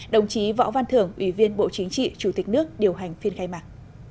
đồng chí võ văn thưởng ủy viên bộ chính trị chủ tịch nước điều hành phiên khai mạc